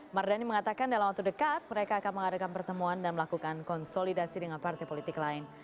mardani mengatakan dalam waktu dekat mereka akan mengadakan pertemuan dan melakukan konsolidasi dengan partai politik lain